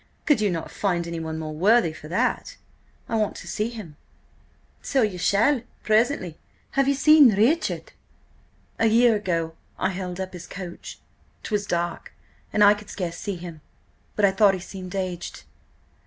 Could you not find anyone more worthy for that? I want to see him." "So ye shall presently. Have ye seen Richard?" "A year ago I held up his coach. 'Twas dark, and I could scarce see him, but I thought he seemed aged."